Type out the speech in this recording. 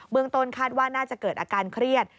เมืองต้นคาดว่าน่าจะเกิดอาการเครียด